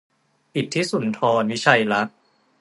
อิทธิสุนทร วิชัยลักษณ์